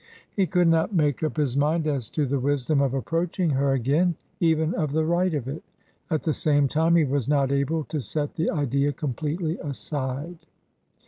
He could not make up his mind as to the wisdom of approaching her again, even of the right of it ; at the same time, he was not able to set the idea completely aside.